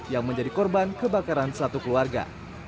yang menjadi korban kebakaran satu keluarga